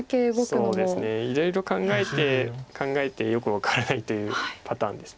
そうですねいろいろ考えて考えてよく分からないというパターンです。